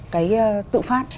cái tự phát